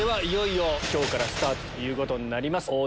いよいよ今日からスタートということになります。